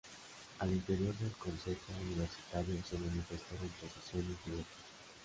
Al interior del Consejo Universitario se manifestaron posiciones diversas.